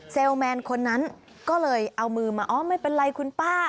แมนคนนั้นก็เลยเอามือมาอ๋อไม่เป็นไรคุณป้า